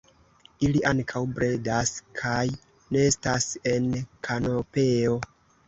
Ili ankaŭ bredas kaj nestas en kanopeo.